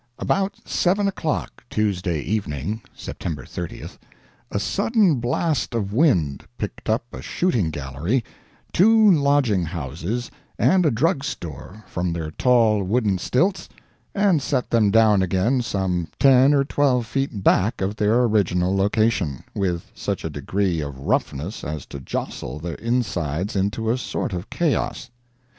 —About 7 o'clock Tuesday evening (Sept. 30th) a sudden blast of wind picked up a shooting gallery, two lodging houses and a drug store from their tall wooden stilts and set them down again some ten or twelve feet back of their original location, with such a degree of roughness as to jostle their insides into a sort of chaos.